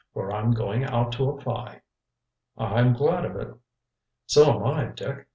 For I'm going out to apply." "I'm glad of it." "So am I, Dick.